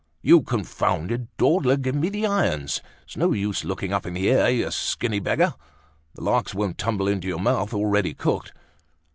"You confounded dawdler! Give me the irons! It's no use looking up in the air, you skinny beggar! The larks won't tumble into your mouth already cooked!"